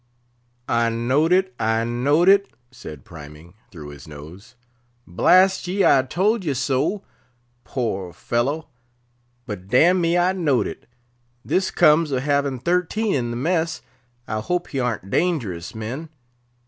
"I know'd it, I know'd it," said Priming, through his nose. "Blast ye, I told ye so; poor fellow! But dam'me, I know'd it. This comes of having thirteen in the mess. I hope he arn't dangerous, men?